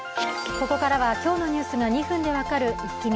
ここからは今日のニュースが２分で分かるイッキ見。